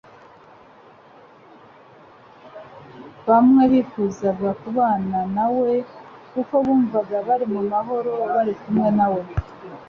Bamwe bifuzaga kubana na we kuko bumvaga bari mu mahoro bari kumwe na we,